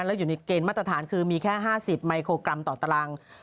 แล้วอยู่ในเกณฑ์มาตรฐานคือมีแค่๕๐มิโครกรัมต่อตาราง